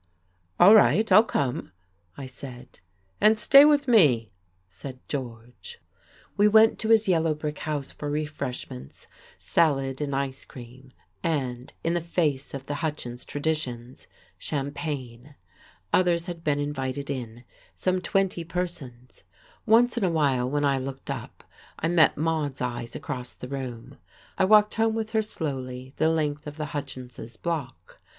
"All right, I'll come," I said. "And stay with me," said George.... We went to his yellow brick house for refreshments, salad and ice cream and (in the face of the Hutchins traditions) champagne. Others had been invited in, some twenty persons.... Once in a while, when I looked up, I met Maude's eyes across the room. I walked home with her, slowly, the length of the Hutchinses' block.